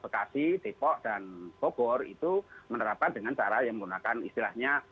bekasi depok dan bogor itu menerapkan dengan cara yang menggunakan istilahnya